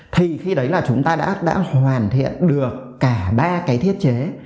thì khi đấy là chúng ta đã hoàn thiện được cả ba cái thiết chế